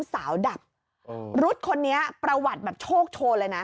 สาวดับอือรุ๋ตคนนี้ประวัติแบบโชโคโชเลย